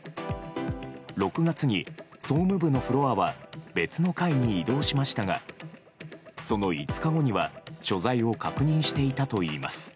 ６月に総務部のフロアは別の階に移動しましたがその５日後には所在を確認していたといいます。